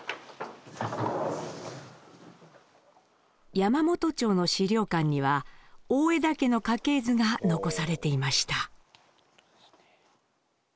山元町の資料館には大條家の家系図が残されていました。